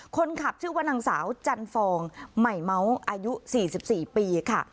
คนขับชื่อวันนางสาวจันฟองไหมเมาอายุสี่สิบสี่ปีค่ะ